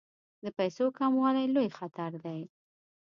د پیسو کموالی لوی خطر دی.